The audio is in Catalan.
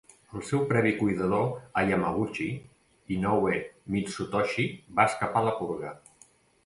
El seu previ cuidador a Yamaguchi, Inoue Mitsutoshi, va escapar la purga.